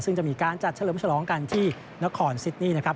ซึ่งจะมีการจัดเฉลิมฉลองกันที่นครซิดนี่นะครับ